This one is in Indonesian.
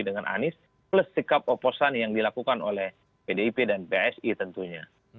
dengan anies plus sikap oposan yang dilakukan oleh pdip dan psi tentunya